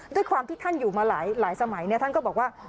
ด้วยความที่ท่านอยู่มาหลายสมัยท่านก็บอกว่า